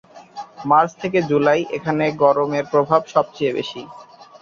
March থেকে জুলাই এখানে গরমের প্রভাব সবচেয়ে বেশি।